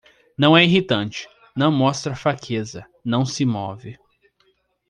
Não é irritante, não mostra fraqueza, não se move